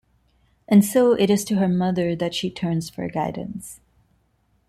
And so it is to her mother that she turns for guidance.